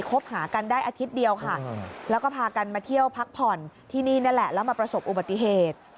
คบหากันได้อาทิตย์เดียวค่ะแล้วก็พากันมาเที่ยวพักผ่อนที่นี่นั่นแหละแล้วมาประสบอุบัติเหตุ